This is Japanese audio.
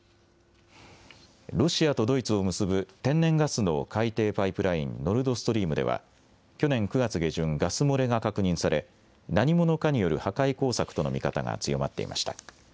ロシアとドイツを結ぶ天然ガスの海底パイプライン、ノルドストリームでは、去年９月下旬、ガス漏れが確認され、何者かによる破壊工作との見方が強まっていました。